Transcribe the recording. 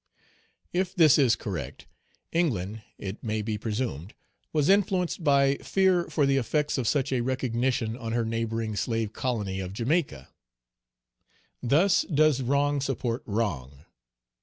If this is correct, England, it may be presumed, was influenced by fear for the effects of such a recognition on her neighboring slave colony of Jamaica. Thus does wrong support wrong.